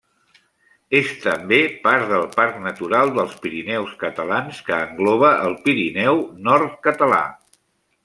És també part del Parc Natural dels Pirineus catalans, que engloba el Pirineu nord-català.